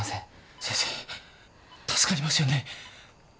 先生助かりますよね？